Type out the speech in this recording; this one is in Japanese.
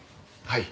はい。